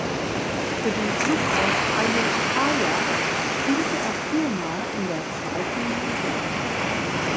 Für den Klub aus Ayutthaya spielte er viermal in der zweiten Liga.